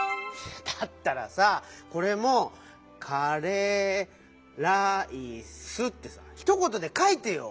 だったらさこれも「カレーライス」ってさひとことでかいてよ！